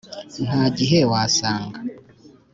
Nta gihe wasanga